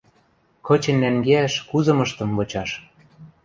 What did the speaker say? Кычен нӓнгеӓш кузымыштым вычаш